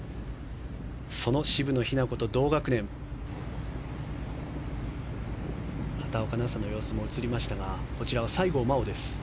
その渋野日向子と同学年の畑岡奈紗の様子も映りましたがこちらは西郷真央です。